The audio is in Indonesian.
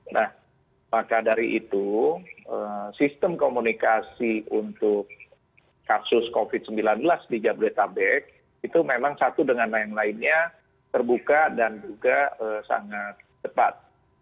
nah maka dari itu sistem komunikasi untuk kasus covid sembilan belas di jabodetabek itu memang satu dengan yang lainnya terbuka dan juga sangat cepat